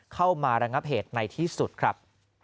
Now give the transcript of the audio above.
เข้ามาระงับเหตุในที่สุดครับ